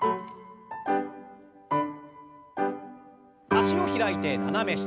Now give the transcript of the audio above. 脚を開いて斜め下。